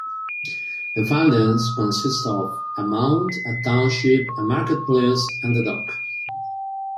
The findings consist of a mound, a township, a marketplace, and the dock.